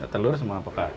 telur sama apokat